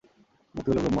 মুক্তি হল ব্রহ্ম।